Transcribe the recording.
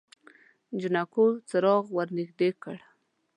جانکو څراغ ور نږدې کړ.